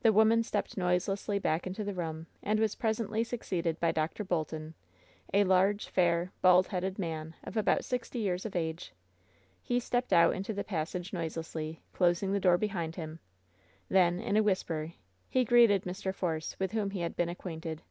The woman stepped noiselessly back into the room, and was presently succeeded by Dr. Bolten, a large, fair, bald headed man, of about sixty years of age. He lia WHEN SHADOWS DEE stepped out into the passage noiselessly, closing the door behind him. Then, in a whisper, he greeted Mr. Force, with whom he had been acquainted.